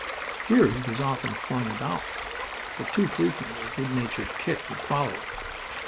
Here he was often flung a dollar, but too frequently a good natured kick would follow it.